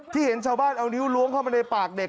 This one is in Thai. เห็นชาวบ้านเอานิ้วล้วงเข้ามาในปากเด็ก